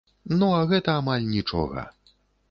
Ну, а гэта амаль нічога.